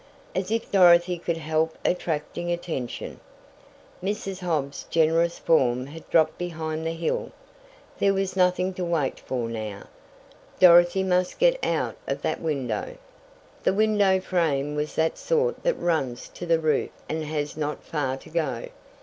As if Dorothy could help attracting attention! Mrs. Hobbs's generous form had dropped behind the hill. There was nothing to wait for now, Dorothy must get out of that window. The window frame was that sort that runs to the roof and has not far to go.